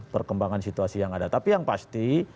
perkembangan situasi yang ada tapi yang pasti